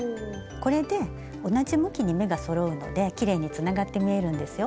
これで同じ向きに目がそろうのできれいにつながって見えるんですよ。